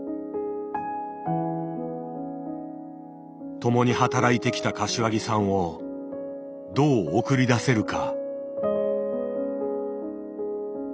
共に働いてきた柏木さんをどう送り出せるか。